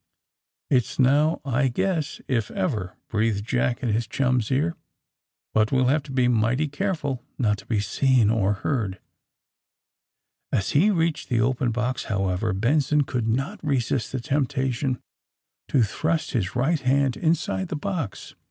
^^It's now, I guess, if ever!'' breathed Jack in his chum's ear. ^^But we'll have to be mighty careful, not to be seen or heard!'* As he reached the opened case, however, Ben son could not resist the temptation to thrust his right hand inside the box.